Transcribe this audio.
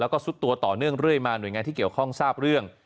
แล้วก็ซุดตัวต่อเนื่องเรื่อยมาหน่วยงานที่เกี่ยวข้องทราบเรื่อง